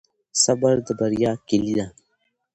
صبر د بریا کلي ده.